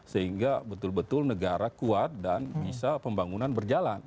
sehingga betul betul negara kuat dan bisa pembangunan berjalan